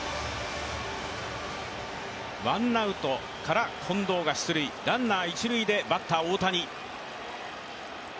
ワンアウトから近藤が出塁、ランナー一塁でバッター・大谷。